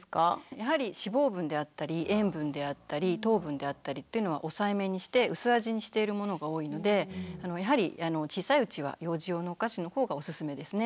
やはり脂肪分であったり塩分であったり糖分であったりっていうのは抑えめにして薄味にしているものが多いのでやはり小さいうちは幼児用のお菓子の方がおすすめですね。